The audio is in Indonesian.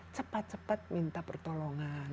cepat cepat minta pertolongan